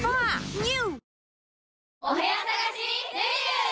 ＮＥＷ！